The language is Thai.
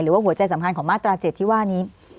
หรือว่าหัวใจสำคัญของมาตรา๗๑ที่ว่านี้